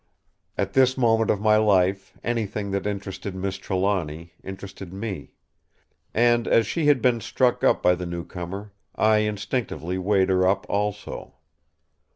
At this moment of my life anything that interested Miss Trelawny interested me; and as she had been struck by the newcomer I instinctively weighed her up also.